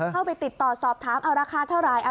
เข้าไปติดต่อสอบถามเอาราคาเท่าไหร่